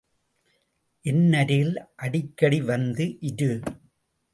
என் அருகில் அடிக்கடி வந்து இரு.